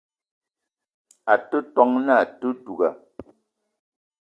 A te ton na àte duga